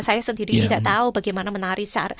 saya sendiri tidak tahu bagaimana menari